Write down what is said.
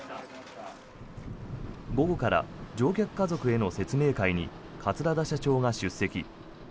午後から乗客家族らへの説明会に桂田社長が出席。